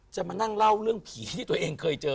มานั่งเล่าเรื่องผีที่ตัวเองเคยเจอ